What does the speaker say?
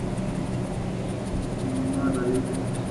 Es protagonizada por Elle Fanning y Ben Foster.